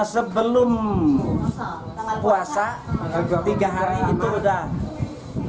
sebelum puasa tiga hari itu udah